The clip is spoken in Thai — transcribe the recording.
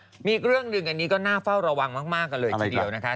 อีกเรื่องหนึ่งอันนี้ก็น่าเฝ้าระวังมากกันเลยทีเดียวนะคะ